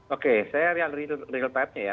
oke saya real real path nya ya